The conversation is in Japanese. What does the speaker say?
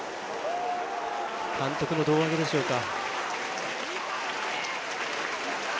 監督の胴上げでしょうか。